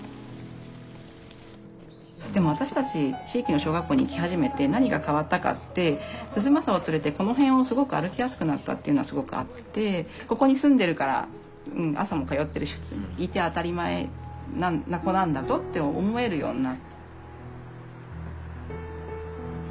でも私たち地域の小学校に行き始めて何が変わったかって涼将を連れてこの辺をすごく歩きやすくなったっていうのはすごくあってここに住んでるから朝も通ってるし普通にいて当たり前な子なんだぞって思えるようになった。